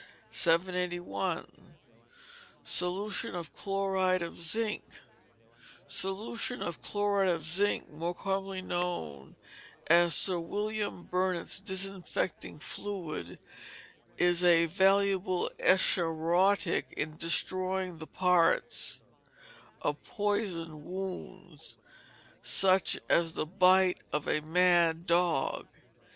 781. Solution of Chloride of Zinc, Solution of Chloride of Zinc, more commonly known as Sir William Burnett's "Disinfecting Fluid," is a valuable escharotic in destroying the parts of poisoned wounds, such as the bite of a mad dog.